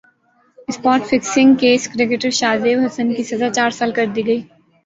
spot fixing case cricketer Shahzeb Hasan کی سزا چار سال کر دی گئی